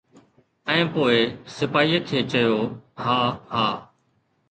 ۽ پوءِ سپاهيءَ کي چيو ”ها ها.